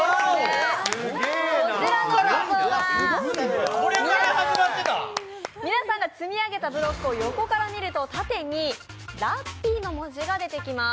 こちらの謎は皆さんが積み上げたブロックを横から見ると、縦にらっぴーの文字が出てきます。